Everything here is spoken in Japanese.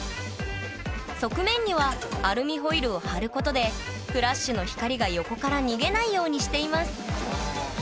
側面にはアルミホイルを貼ることでフラッシュの光が横から逃げないようにしています。